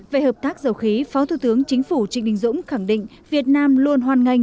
về hợp tác dầu khí phó thủ tướng chính phủ trịnh đình dũng khẳng định việt nam luôn hoàn ngành